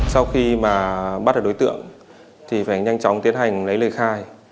sau khi mà bắt được đối tượng thì phải nhanh chóng tiến hành lấy lời khai